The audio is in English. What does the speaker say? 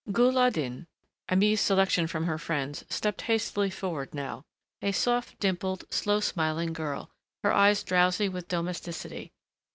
Ghul al Din, Aimée's selection from her friends, stepped hastily forward now, a soft, dimpled, slow smiling girl, her eyes drowsy with domesticity.